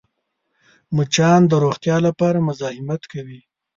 مچان د روغتیا لپاره مزاحمت کوي